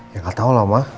ya gak tau lah ma